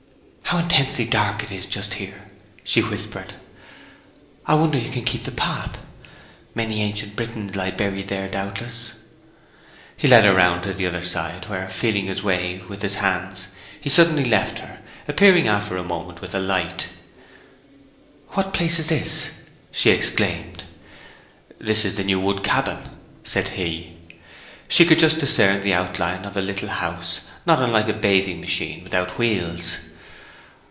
'How intensely dark it is just here!' she whispered. 'I wonder you can keep in the path. Many ancient Britons lie buried there doubtless.' He led her round to the other side, where, feeling his way with his hands, he suddenly left her, appearing a moment after with a light. 'What place is this?' she exclaimed. 'This is the new wood cabin,' said he. She could just discern the outline of a little house, not unlike a bathing machine without wheels.